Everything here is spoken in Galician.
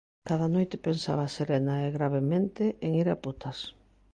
Cada noite pensaba serena e gravemente en ir a putas.